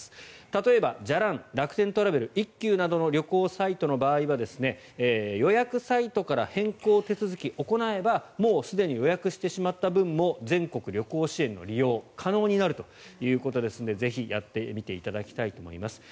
例えばじゃらん、楽天トラベル一休などの旅行サイトの場合は予約サイトから変更手続きを行えばもうすでに予約してしまった分も全国旅行支援の利用可能になるということですのでぜひやってみていただきたいと思います。